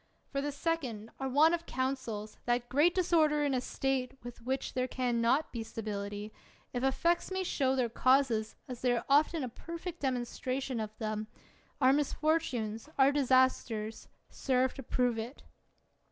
For the second, our want of councils, that great disorder in a State with which there can not be stability, if effects may show their causes, as they are often a perfect demonstration of them, our misfortunes, our disasters, serve to prove it